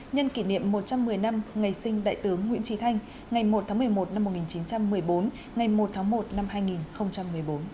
nhân kỷ niệm một trăm một mươi năm ngày sinh đại tướng nguyễn trí thanh ngày một tháng một mươi một năm một nghìn chín trăm một mươi bốn ngày một tháng một năm hai nghìn một mươi bốn